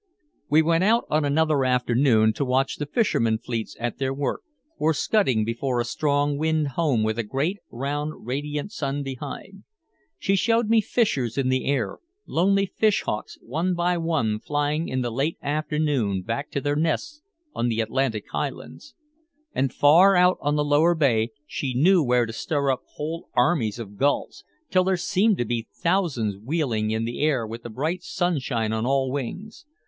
We went out on another afternoon to watch the fisherman fleets at their work or scudding before a strong wind home with a great, round, radiant sun behind. She showed me fishers in the air, lonely fish hawks one by one flying in the late afternoon back to their nests on the Atlantic Highlands. And far out on the Lower Bay she knew where to stir up whole armies of gulls, till there seemed to be thousands wheeling in air with the bright sunshine on all the wings.